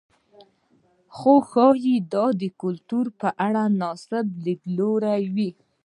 خو ښايي دا د کلتور په اړه ناسم لیدلوری وي.